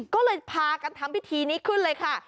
ก็เลยพากันทำพิธีนี้ขึ้นเลยค่ะ